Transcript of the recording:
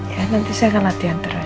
ya nanti saya akan latihan terus